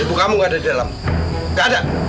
ibu kamu nggak ada di dalam nggak ada